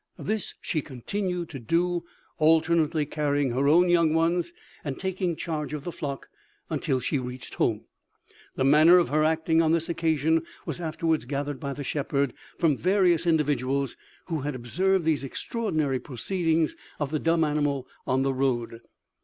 This she continued to do, alternately carrying her own young ones and taking charge of the flock, till she reached home. The manner of her acting on this occasion was afterwards gathered by the shepherd from various individuals, who had observed these extraordinary proceedings of the dumb animal on the road.